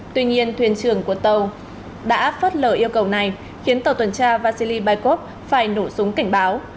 tuy nhiên thuyền trường của tàu đã phát lỡ yêu cầu này khiến tàu tuần tra vasily baikov phải nổ súng cảnh báo